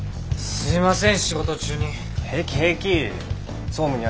すいません。